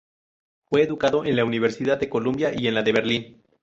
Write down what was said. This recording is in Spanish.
Fue educado en la Universidad de Columbia y en la de Berlín.